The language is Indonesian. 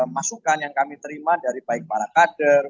masukan yang kami terima dari baik para kader